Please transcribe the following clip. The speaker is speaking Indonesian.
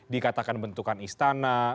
dikatakan bentukan istana